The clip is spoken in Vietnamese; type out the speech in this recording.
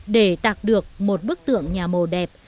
để tạc được một bức tượng nhà màu đẹp